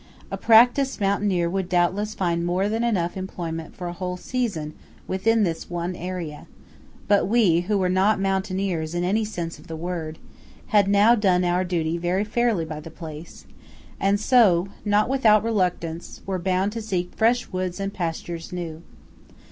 A practised mountaineer would doubtless find more than enough employment for a whole season within this one area; but we, who were not mountaineers in any sense of the word, had now done our duty very fairly by the place, and so (not without reluctance) were bound to seek fresh woods and pastures new.